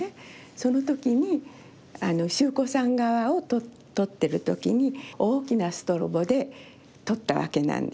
その時に秀行さん側を撮ってる時に大きなストロボで撮ったわけなんです。